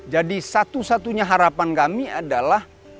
jadi satu satunya harapan kami adalah